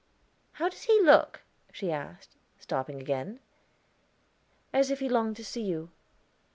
"How does he look?" she asked, stopping again. "As if he longed to see you."